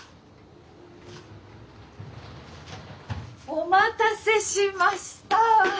お待たせしました！